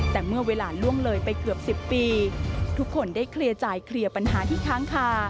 แต่เมื่อเวลาล่วงเลยไปเกือบ๑๐ปีทุกคนได้เคลียร์จ่ายเคลียร์ปัญหาที่ค้างคา